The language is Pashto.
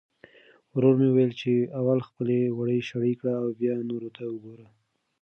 ورور مې وویل چې اول خپلې وړۍ شړۍ کړه او بیا نورو ته وګوره.